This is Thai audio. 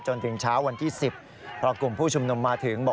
จนถึงเช้าวันที่๑๐พอกลุ่มผู้ชุมนุมมาถึงบอก